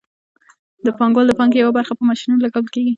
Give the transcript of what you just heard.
د پانګوال د پانګې یوه برخه په ماشینونو لګول کېږي